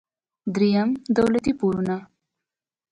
دریم: دولتي پورونه.